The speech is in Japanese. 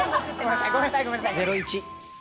『ゼロイチ』。